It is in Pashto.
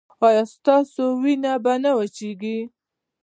ایا ستاسو وینه به نه وچیږي؟